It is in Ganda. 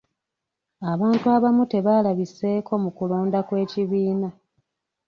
Abantu abamu tebaalabiseeko mu kulonda kw'ekibiina.